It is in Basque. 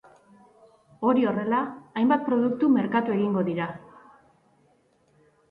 Hori horrela, hainbat produktu merkatu egingo dira.